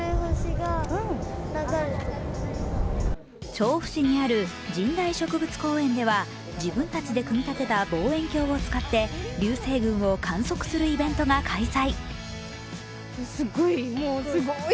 調布市にある神代植物公園では自分たちで組み立てた望遠鏡を使って流星群を観測するイベントが開催。